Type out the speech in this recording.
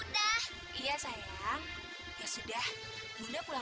oh iya aku lupa aku panggilin dulu ya